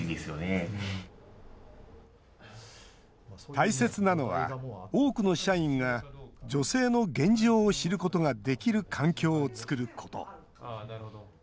大切なのは、多くの社員が女性の現状を知ることができる環境を作ること。